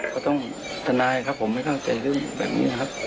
ทนายครับผมไม่เข้าใจเรื่องแบบนี้นะครับ